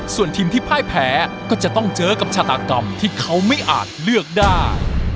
ส่วนทีมที่พ่ายแพ้ก็จะต้องเจอกับชาตากรรมที่เขาไม่อาจเลือกได้